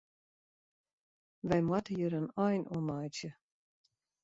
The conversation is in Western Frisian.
Wy moatte hjir in ein oan meitsje.